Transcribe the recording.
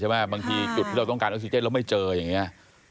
บางทีจุดที่เราต้องการออกซิเจนแล้วไม่เจออย่างนี้